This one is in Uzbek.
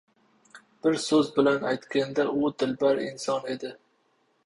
Bir so‘z bilan aytganda u dilbar inson edi.